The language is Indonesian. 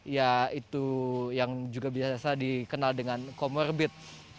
ya itu yang juga biasa dikenal dengan comorbid